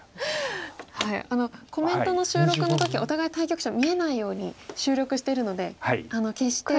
コメントの収録の時お互い対局者見えないように収録しているので決してコメントを聞いて。